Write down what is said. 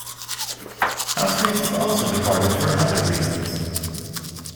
Housemates have also departed for other reasons.